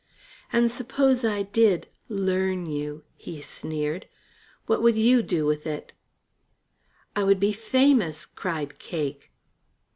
"And suppose I did 'learn' you," he sneered, "what would you do with it?" "I would be famous," cried Cake.